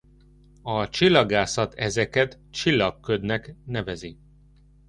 A csillagászat ezeket csillagködnek nevezi.